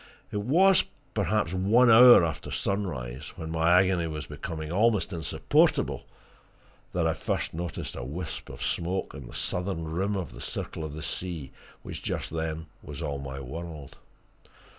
It was, perhaps, one hour after sunrise, when my agony was becoming almost insupportable, that I first noticed a wisp of smoke on the southern rim of the circle of sea which just then was all my world.